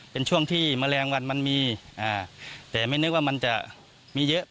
เป็นช่วงที่แมลงวันมันมีแต่ไม่นึกว่ามันจะมีเยอะ